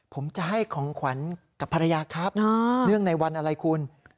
ผมจะให้ของขวัญกับภรรยาครับเนื่องในวันอะไรคุณ